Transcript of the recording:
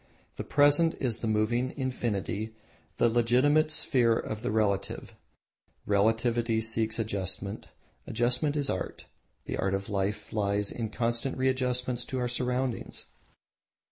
The Present is the moving Infinity, the legitimate sphere of the Relative. Relativity seeks Adjustment; Adjustment is Art. The art of life lies in a constant readjustment to our surroundings.